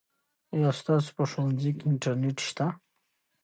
آیا ستاسو په ښوونځي کې انټرنیټ شته؟